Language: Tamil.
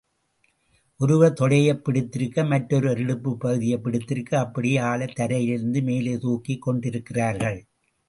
ஒருவர் தொடையைப் பிடித்திருக்க, மற்றொருவர் இடுப்புப் பகுதியைப் பிடித்திருக்க, அப்படியே ஆளை தரையிலிருந்து மேலே தூக்கிக் கொண்டிருக்கிறார்கள்.